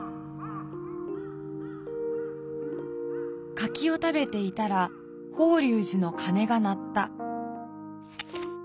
「柿を食べていたら法隆寺の鐘が鳴った」。